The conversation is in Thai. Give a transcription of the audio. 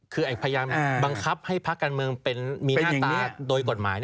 คือพยายามบังคับให้พักการเมืองมีหน้าตาโดยกฎหมาย